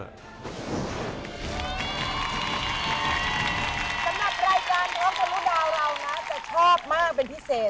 สำหรับรายการร้องทะลุดาวเรานะจะชอบมากเป็นพิเศษ